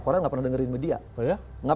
orang nggak pernah dengerin media